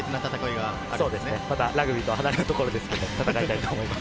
ラグビーと離れたところですけど、戦いたいと思います。